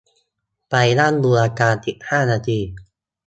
ไปนั่งดูอาการสิบห้านาที